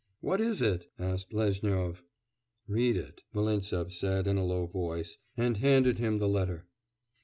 'What is it?' asked Lezhnyov. 'Read it,' Volintsev said in a low voice, and handed him the letter.